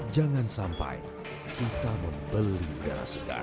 jangan sampai kita membeli darah segar